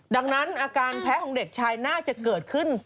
ดังนั้นอาการแพ้ของเด็กชายน่าจะเกิดขึ้น